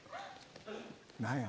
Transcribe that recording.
何や？